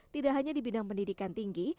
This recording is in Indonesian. tidak hanya di bidang pendidikan tinggi